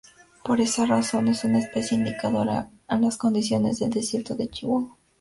Por esta razón es una especie indicadora de las condiciones del desierto de Chihuahua.